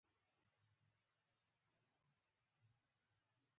پروان او استالف د ښکلو خټینو لوښو له کبله مشهور دي.